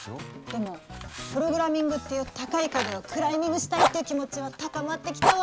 でもプログラミングっていう高い壁をクライミングしたいっていう気持ちは高まってきたわ。